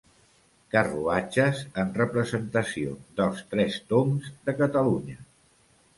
Carruatges en representació dels Tres Tombs de Catalunya.